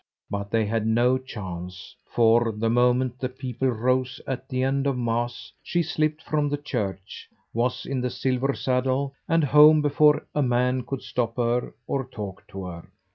But they had no chance; for the moment the people rose at the end of Mass she slipped from the church, was in the silver saddle, and home before a man could stop her or talk to her.